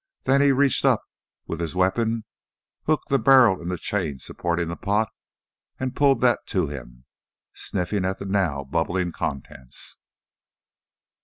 Then he reached up with his weapon, hooked the barrel in the chain supporting the pot, and pulled that to him, sniffing at the now bubbling contents.